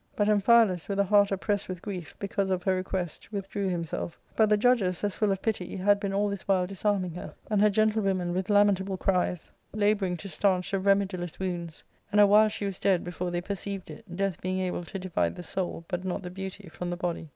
But Amphialus, with a heart oppressed with grief, because of her request, withdrew himself ; but the judges, as full of pity, had been all this while disarming her, and her gentle women, with lamentable cries, labouring to stanch the reme diless wounds; and a while she was dead before they perceived it, death being able to divide the soul, but not the beauty, . from the body.